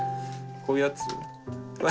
こういうやつ。